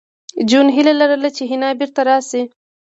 جون هیله لرله چې حنا بېرته راشي